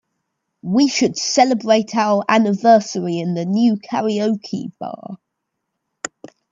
We should celebrate our anniversary in the new karaoke bar.